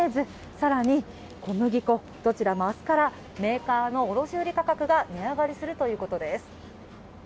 更に、小麦粉どちらも明日からメーカーの卸売価格が値上がりするということです。